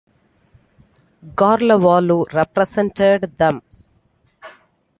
Garlawolu represented them.